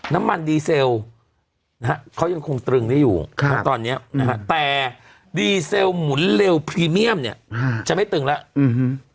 น้ำมันดีเซลเขายังคงตรึงได้อยู่ตอนนี้แต่ดีเซลหมุนเร็วพรีเมี่ยมเนี่ยจะไม่ตรึงแล้ว